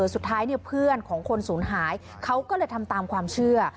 สุดท้ายเพื่อนของคนศูนย์หายเขาก็เลยทำตามความเชื่อ